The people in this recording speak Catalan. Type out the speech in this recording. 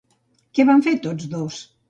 Què van fer tots dos?